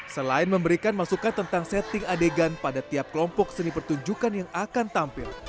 selain memberikan masukan tentang setting adegan pada tiap kelompok seni pertunjukan yang akan tampil